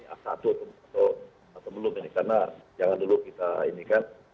a satu atau belum ini karena jangan dulu kita ini kan